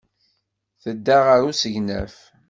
Tedda ɣer usegnaf.